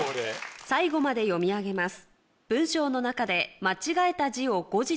最後まで読み上げます